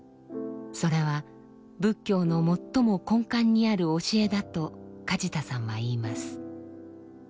それは仏教の最も根幹にある教えだと梶田さんは言います。